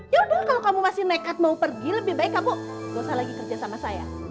ya udah kalau kamu masih nekat mau pergi lebih baik kamu dosa lagi kerja sama saya